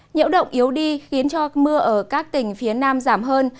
nhiễu động yếu đi khiến cho mưa ở các tỉnh phía nam giảm hơn